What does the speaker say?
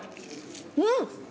うん！